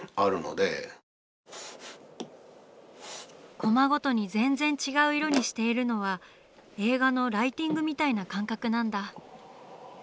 コマごとに全然違う色にしているのは映画のライティングみたいな感覚なんだ。